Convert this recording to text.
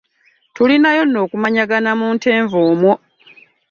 Tulinayo nno okumanyagana mu Ntenvu omwo.